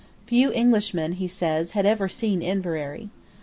Few Englishmen, he says, had ever seen Inverary.